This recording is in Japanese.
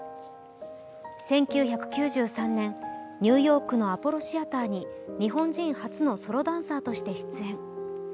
１９９３年、ニューヨークのアポロシアターに日本人初のソロダンサーとして出演。